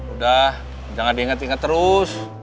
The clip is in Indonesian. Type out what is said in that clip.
udah jangan diinget inget terus